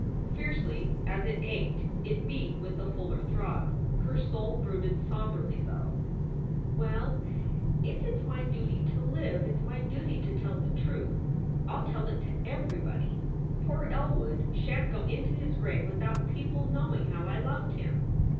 Fiercely as it ached, it beat with a fuller throb. Her soul brooded somberly, though: "Well, if it s my duty to live, it s my duty to tell the truth. I ll tell it to everybody. Poor Elwood sha n t go into his grave without people knowing how I loved him."